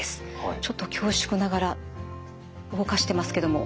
ちょっと恐縮ながら動かしてますけども。